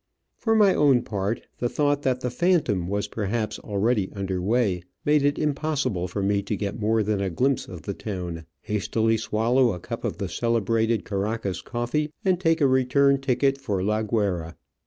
For my own part, the thought that the Phantom was perhaps already under weigh made it impossible for me to get more than a glimpse of the town, hastily swallow a cup of the celebrated Caracas coffee, and take a return ticket for La Guayra.